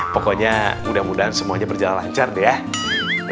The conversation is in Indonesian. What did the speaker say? pokoknya mudah mudahan semuanya berjalan lancar deh ya